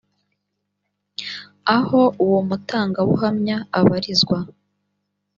aho uwo mutanga buhamya abarizwa